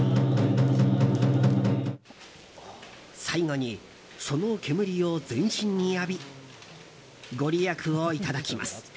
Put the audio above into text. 最後に、その煙を全身に浴び御利益をいただきます。